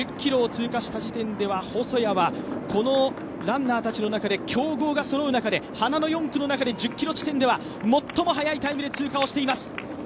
１０ｋｍを通過した時点では、細谷はこのランナーたちの中で、強豪がそろう中で、花の４区の中で１０ｋｍ地点では最も速いタイムで通過をしています。